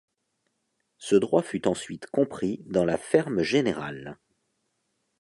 Ce droit fut ensuite compris dans la ferme générale.